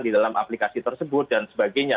di dalam aplikasi tersebut dan sebagainya